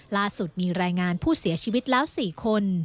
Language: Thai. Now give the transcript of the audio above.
ล่าสุดมีรายงานผู้เสียชีวิตแล้ว๔คน